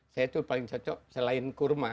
saya itu paling cocok selain kurma